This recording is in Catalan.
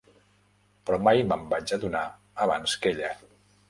Però mai me'n vaig adonar abans que ella.